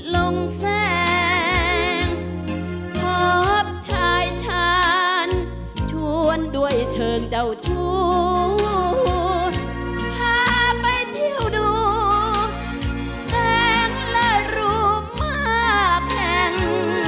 ลงแสงขอบชายชาญชวนด้วยเชิงเจ้าชู้พาไปเที่ยวดูแสงและรู้มากแข็ง